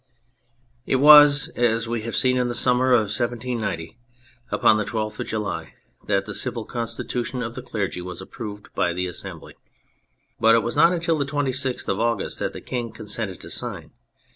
It was, as we have seen, in the summer of 1790— upon the 12th of July— that the Civil Constitution of the Clergy was approved by the Assembly. But it was not until the 26th of August that the King consented to sign.